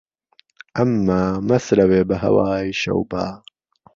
ئهمما مهسرهوێ به هەوای شەوبا